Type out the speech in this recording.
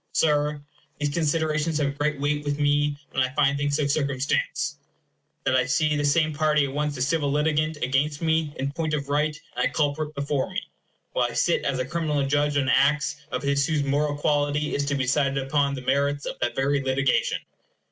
Sir, these considerations have great weight with me when I find things so circumstanced, that I see the same party at once a civil litigant against me in point of right and a culprit before me, while I sit as a criminal judge on acts of his whose moral quality is to be decided upon the merits of that very litigation.